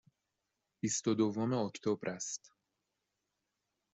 بیست و دوم اکتبر است.